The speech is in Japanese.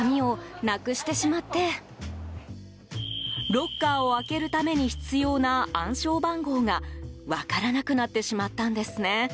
ロッカーを開けるために必要な暗証番号が分からなくなってしまったんですね。